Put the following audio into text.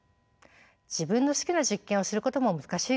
自分の好きな実験をすることも難しいでしょう。